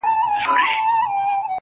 شاعري سمه ده چي ته غواړې.